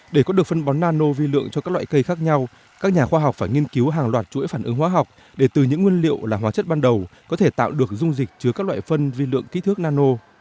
để có được phân bón nano vi lượng cho các loại cây khác nhau các nhà khoa học phải nghiên cứu hàng loạt chuỗi phản ứng hóa học để từ những nguyên liệu là hóa chất ban đầu có thể tạo được dung dịch chứa các loại phân vi lượng kỹ thước nano